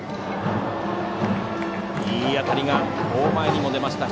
いい当たりが、大前にも出ました。